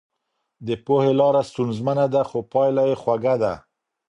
د پوهي لاره ستونزمنه ده خو پايله يې خوږه ده.